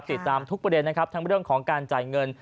ติดตามทุกประเด็นร่วมกันจากของการการจ่ายเงิน